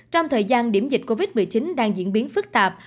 trong thời gian điểm dịch covid một mươi chín đang diễn biến phức tạp